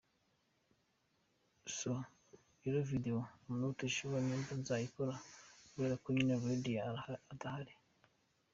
So, rero video am not sure nimba nzayikora kubera ko nyine Radio adahari.